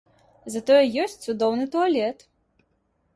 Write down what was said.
Затое ёсць цудоўны туалет.